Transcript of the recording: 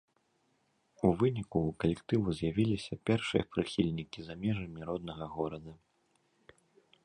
У выніку у калектыву з'явіліся першыя прыхільнікі за межамі роднага горада.